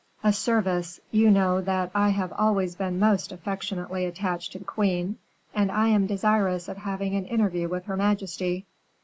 "A service; you know that I have always been most affectionately attached to the queen, and I am desirous of having an interview with her majesty."